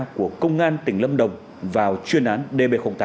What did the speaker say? của công an tỉnh lâm đồng vào chuyên án d bảy trăm linh tám